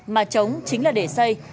mà chống chính là để xây